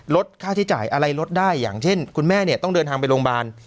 ลดค่าใช้จ่ายอะไรลดได้อย่างเช่นคุณแม่เนี่ยต้องเดินทางไปโรงพยาบาล